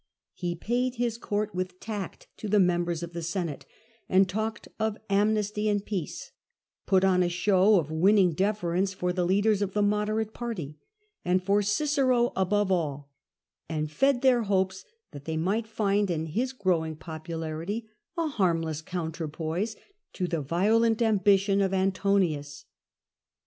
He paid his court with tact to the members of the Senate, and talked of amnesty and peace ; put on a show of winning deference for the leaders of the moderate party, and for Cicero above all, and fed their hopes, that they might find in his growing popularity a harmless counterpoise to the violent ambition of Antonius.